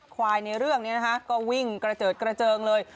ควายในเรื่องก็วิ่งกระเจิดกระเจิงเลย